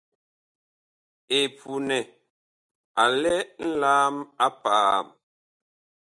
EPUNƐ a lɛ nlaam a paam.